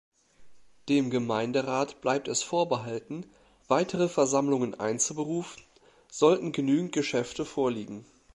Dem Gemeinderat bleibt es vorbehalten, weitere Versammlungen einzuberufen, sollten genügend Geschäfte vorliegen.